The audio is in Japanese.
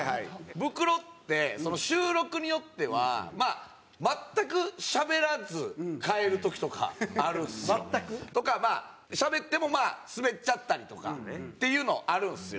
ブクロって収録によっては全くしゃべらず帰る時とかあるんですよ。とかまあしゃべってもスベっちゃったりとかっていうのあるんですよ。